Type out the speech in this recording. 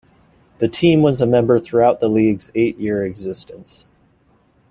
The team was a member throughout the league's eight-year existence.